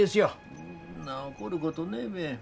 そんな怒ることねえべ。